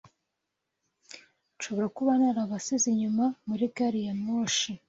Nshobora kuba narabasize inyuma muri gari ya moshi.